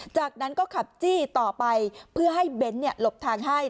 จากนั้นก็ขับจี้ต่อไปเพื่อให้เบ้นหลบทางให้